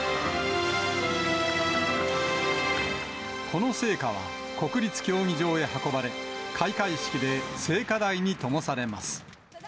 この聖火は国立競技場へ運ばれ、開会式で聖火台にともされます。